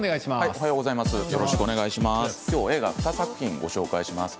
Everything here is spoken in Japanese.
映画２作品、ご紹介します。